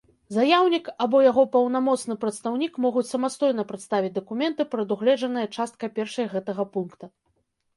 Заяўнiк або яго паўнамоцны прадстаўнiк могуць самастойна прадставiць дакументы, прадугледжаныя часткай першай гэтага пункта.